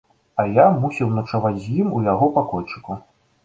А я мусіў начаваць з ім у яго пакойчыку.